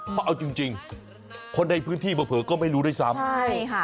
เพราะเอาจริงคนในพื้นที่มาเผลอก็ไม่รู้ด้วยซ้ำ